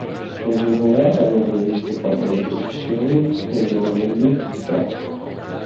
Nel Girone A erano previste quattro retrocessioni, nel Girone B tre.